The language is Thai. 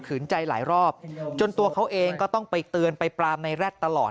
ใจหลายรอบจนตัวเขาเองก็ต้องไปเตือนไปปรามในแร็ดตลอด